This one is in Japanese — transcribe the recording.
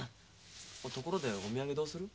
ところでお土産どうする？